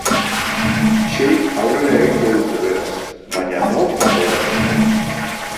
Seik aurrera egingo dute, beraz, baina nor joango da etxera?